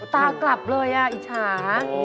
ตากลับเลยอ่ะอิจฉา